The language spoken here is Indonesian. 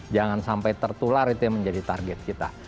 jangan sampai tertular itu yang menjadi target kita